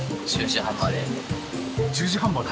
１０時半まで？